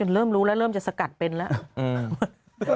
เริ่มรู้แล้วเริ่มจะสกัดเป็นแล้ว